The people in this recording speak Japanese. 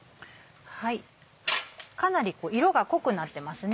かなり色が濃くなってますね。